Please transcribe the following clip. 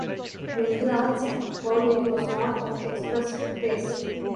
McGrath's bowling was not of express pace.